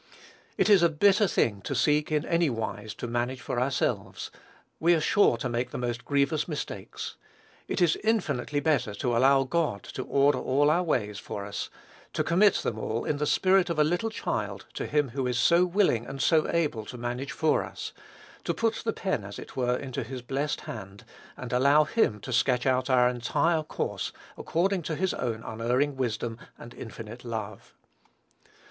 It is a bitter thing to seek, in any wise, to manage for ourselves; we are sure to make the most grievous mistakes. It is infinitely better to allow God to order all our ways for us, to commit them all, in the spirit of a little child, to him who is so willing and so able to manage for us, to put the pen, as it were, into his blessed hand, and allow him to sketch out our entire course according to his own unerring wisdom and infinite love.